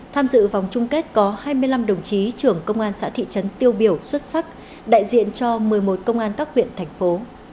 tham dự vòng chung kết có hai mươi năm đồng chí trưởng công an xã thị trấn tiêu biểu xuất sắc đại diện cho một mươi một công an các huyện thành phố